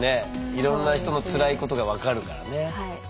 いろんな人の辛いことが分かるからね。